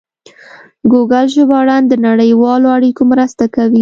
ګوګل ژباړن د نړیوالو اړیکو مرسته کوي.